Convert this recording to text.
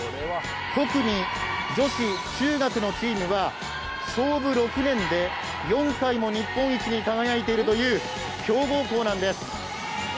特に女子中学のチームは創部６年で４回も日本一に輝いているという強豪校なんです。